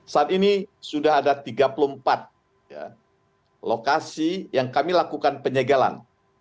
saat ini sudah ada tiga puluh empat lokasi yang kami lakukan penyegalan